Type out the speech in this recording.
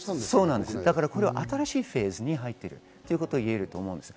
これは新しいフェーズに入っているということが言えると思います。